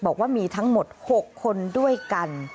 บอกว่ามีทั้งหมด๖คนด้วยกัน